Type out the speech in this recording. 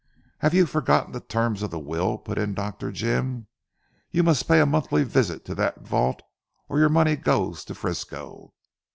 "Have you forgotten the terms of the will?" put in Dr. Jim. "You must pay a monthly visit to that vault, or the money goes to Frisco!"